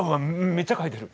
めっちゃ書いてる。